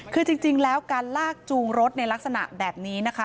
คือจริงแล้วการลากจูงรถในลักษณะแบบนี้นะคะ